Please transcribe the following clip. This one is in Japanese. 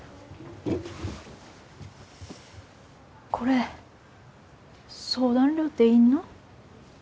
これ相談料って要んの？